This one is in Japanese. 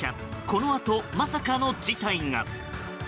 このあと、まさかの事態が。